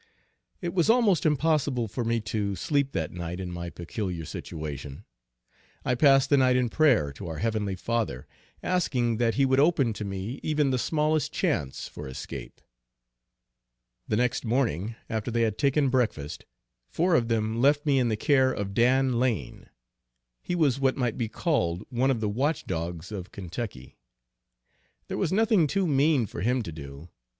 It was almost impossible for me to sleep that night in my peculiar situation. I passed the night in prayer to our Heavenly Father, asking that He would open to me even the smallest chance for escape. The next morning after they had taken breakfast, four of them left me in the care of Dan Lane. He was what might be called one of the watch dogs of Kentucky. There was nothing too mean for him to do.